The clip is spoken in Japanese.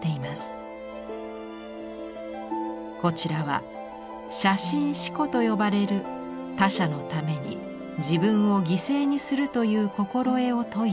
こちらは「捨身飼虎」と呼ばれる他者のために自分を犠牲にするという心得を説いたもの。